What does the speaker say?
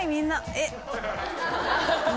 えっ。